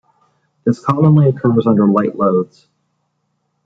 This commonly occurs under light loads.